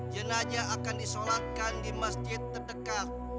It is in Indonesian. jenajah akan disolatkan di masjid terdekat